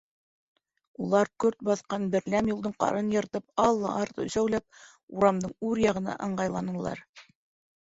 Улар көрт баҫҡан берләм юлдың ҡарын йыртып, аллы-артлы өсәүләп, урамдың үр яғына ыңғайланылар.